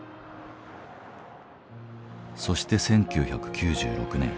そして１９９６年。